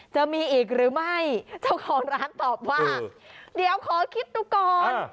จะมีอีกหรือไม่เจ้าของร้านตอบว่าเดี๋ยวขอคิดดูก่อน